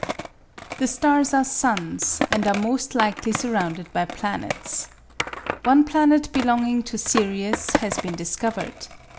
The stars are suns, and are most likely surrounded by planets. One planet belonging to Sirius has been discovered.